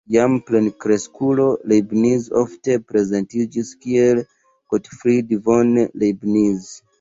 Jam plenkreskulo, Leibniz ofte prezentiĝis kiel "Gottfried von Leibniz".